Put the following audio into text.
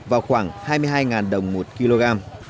và khoảng hai mươi hai đồng một kg